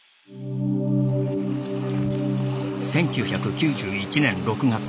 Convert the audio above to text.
１９９１年６月。